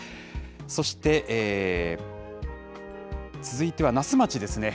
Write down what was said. そして、続いては那須町ですね。